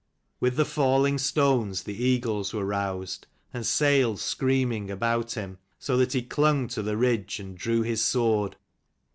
With the falling stones the eagles were roused, and sailed screaming about him : so that he clung to the ridge, and drew his sword.